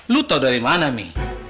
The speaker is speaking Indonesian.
lu tahu dari mana mi